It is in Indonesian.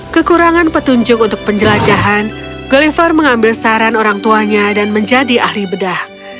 kekurangan petunjuk untuk penjelajahan gulliver mengambil saran orang tuanya dan menjadi ahli bedah